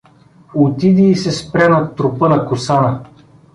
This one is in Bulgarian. Отиде и се спря над трупа на Косана.